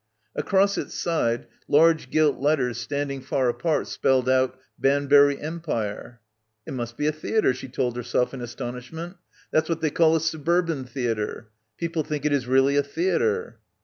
Across its side, large gilt letters standing far apart spelled out "Banbury Empire." "It must be a theatre," she told herself in as tonishment. 'That's what they call a suburban theatre. People think it is really a theatre."